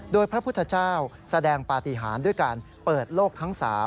โดยพระพุทธเจ้าแสดงปฏิหารด้วยการเปิดโลกทั้ง๓